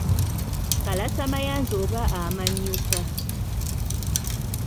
Akalasa mayanzi oba amannyuka.